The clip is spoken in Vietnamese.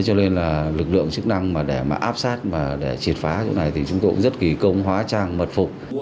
cho nên lực lượng chức năng để áp sát và triệt phá chỗ này thì chúng tôi cũng rất kỳ công hóa trang mật phục